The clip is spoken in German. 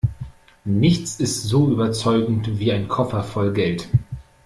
Nichts ist so überzeugend wie ein Koffer voll Geld.